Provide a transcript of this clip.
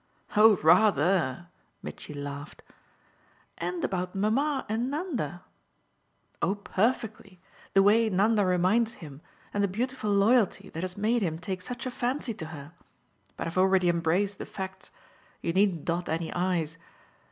"Oh rather!" Mitchy laughed. "And about mamma and Nanda." "Oh perfectly: the way Nanda reminds him, and the 'beautiful loyalty' that has made him take such a fancy to her. But I've already embraced the facts you needn't dot any i's."